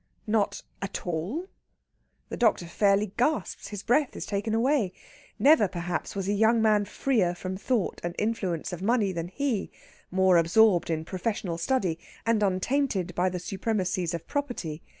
not at all?" The doctor fairly gasps; his breath is taken away. Never perhaps was a young man freer from thought and influence of money than he, more absorbed in professional study and untainted by the supremacies of property.